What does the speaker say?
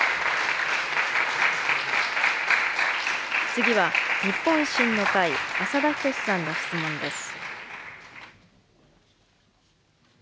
次は日本維新の会、浅田均さんの質問です。